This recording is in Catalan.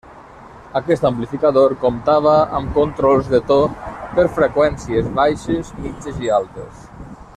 Aquest amplificador comptava amb controls de to per freqüències baixes, mitges i altes.